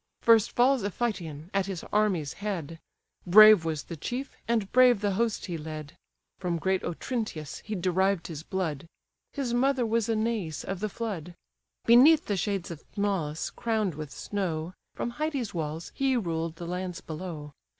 First falls Iphytion, at his army's head; Brave was the chief, and brave the host he led; From great Otrynteus he derived his blood, His mother was a Nais, of the flood; Beneath the shades of Tmolus, crown'd with snow, From Hyde's walls he ruled the lands below.